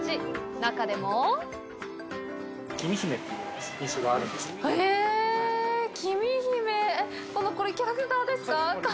中でもこれ、キャラクターですか？